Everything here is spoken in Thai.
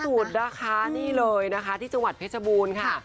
สุดนะคะนี่เลยนะคะที่จังหวัดเพชรบูรณ์ค่ะ